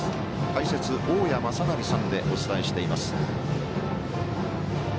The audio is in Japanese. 解説、大矢正成さんでお伝えしています。